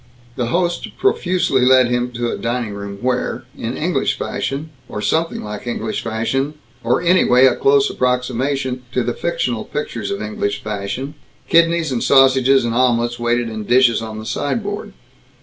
The host profusely led him to a dining room where in English fashion, or something like English fashion, or anyway a close approximation to the fictional pictures of English fashion kidneys and sausages and omelets waited in dishes on the side board.